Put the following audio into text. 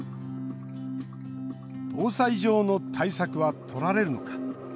防災上の対策はとられるのか。